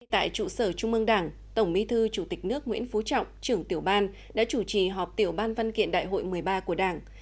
tại trụ sở trung ương đảng tổng bí thư chủ tịch nước nguyễn phú trọng trưởng tiểu ban đã chủ trì họp tiểu ban văn kiện đại hội một mươi ba của đảng